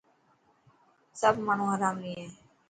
سب ماڻهو هرامي هي.